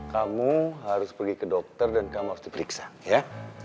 kamu harus pergi ke dokter dan kamu harus diperiksa ya